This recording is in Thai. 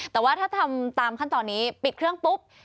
แต่ว่าถ้าทำตามขั้นตอนนี้ปิดเครื่องปุ๊บ